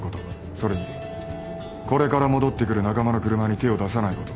それにこれから戻ってくる仲間の車に手を出さないこと。